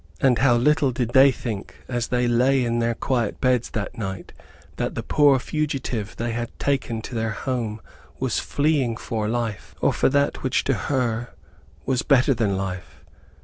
And how little did they think, as they lay in their quiet beds that night, that the poor fugitive they had taken to their home was fleeing for life, or for that which, to her, was better than life.